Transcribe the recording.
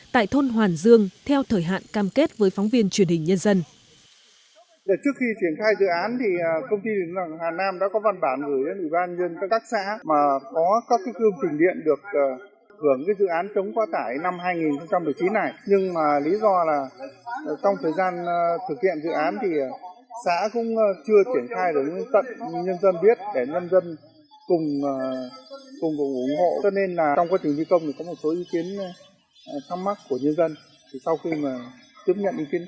tại thôn hoàn dương theo thời hạn cam kết với phóng viên truyền hình nhân dân